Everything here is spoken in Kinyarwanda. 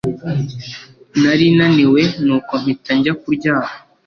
Nari naniwe nuko mpita njya kuryama